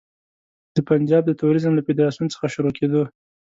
د پنجاب د توریزم له فدراسیون څخه شروع کېدو.